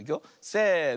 せの。